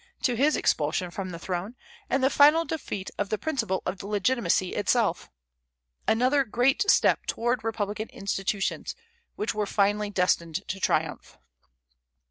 to his expulsion from the throne, and the final defeat of the principle of legitimacy itself, another great step toward republican institutions, which were finally destined to triumph.